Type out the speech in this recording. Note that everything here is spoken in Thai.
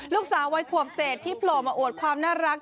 ลูกสาววัยขวบเศษที่โผล่มาอวดความน่ารัก